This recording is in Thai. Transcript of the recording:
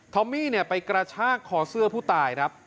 อมมี่ไปกระชากคอเสื้อผู้ตายครับ